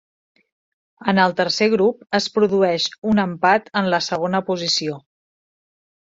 En el tercer grup es produeix un empat en la segona posició.